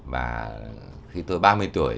và khi tôi ba mươi tuổi